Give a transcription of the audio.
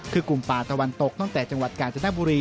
คือกลุ่มป่าตะวันตกตั้งแต่จังหวัดกาญจนบุรี